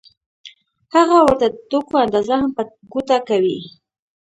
هغه ورته د توکو اندازه هم په ګوته کوي